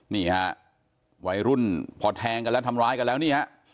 นี่ฮะวัยรุ่นพอแทงกันแล้วทำร้ายกันแล้วนี่ฮะ